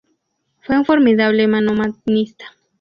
Fue un formidable manomanista.